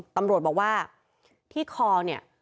ตำรวจบอกว่าที่คอเนี่ย